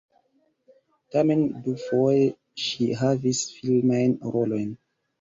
Tamen dufoje ŝi havis filmajn rolojn.